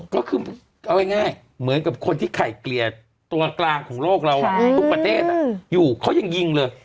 ก็คือเอาง่ายเหมือนกับคนที่ไข่เกลี่ยตัวกลางของโลกเราทุกประเทศอยู่เขายังยิงเลย